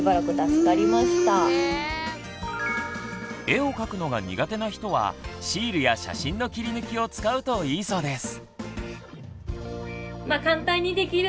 絵を描くのが苦手な人はシールや写真の切り抜きを使うといいそうです。